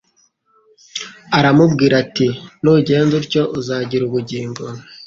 aramubwira ati : "Nugenza utyo uzagira ubugingo."